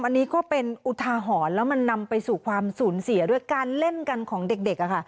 อันนี้ก็เป็นอุทาหรณ์แล้วมันนำไปสู่ความสูญเสียด้วยการเล่นกันของเด็กอะค่ะ